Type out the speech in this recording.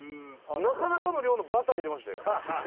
なかなかの量のバター入れましたよ